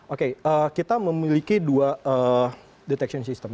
oke kita memiliki dua detection system